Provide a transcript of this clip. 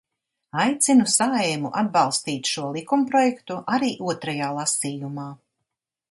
Aicinu Saeimu atbalstīt šo likumprojektu arī otrajā lasījumā.